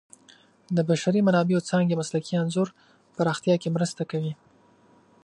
د بشري منابعو څانګې مسلکي انځور پراختیا کې مرسته کوي.